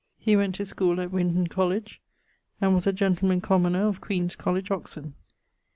He went to school at Winton College, and was a gentleman commoner of Queen's College, Oxon.